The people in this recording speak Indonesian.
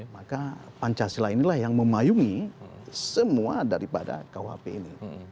maka pancasila inilah yang memayungi semua daripada kuhp ini